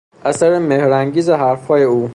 اثر مهرانگیز حرفهای او